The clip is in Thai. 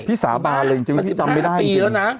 พี่สาบาลเลยจริงพี่จำไม่ได้จริง